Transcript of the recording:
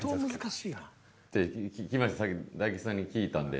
大吉さんに聞いたんで。